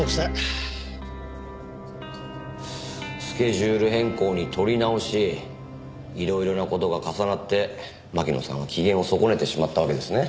スケジュール変更に撮り直しいろいろな事が重なって巻乃さんは機嫌を損ねてしまったわけですね。